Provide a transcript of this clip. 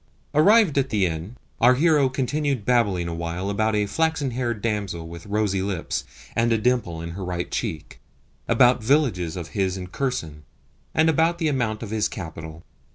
Arrived at the inn, our hero continued babbling awhile about a flaxen haired damsel with rosy lips and a dimple in her right cheek, about villages of his in Kherson, and about the amount of his capital.